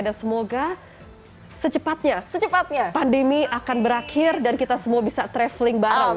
dan semoga secepatnya pandemi akan berakhir dan kita semua bisa traveling bareng